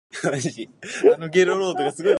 The guiders are in constant motion.